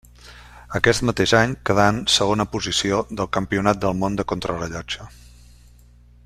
Aquest mateix any quedà en segona posició del campionat del món de contrarellotge.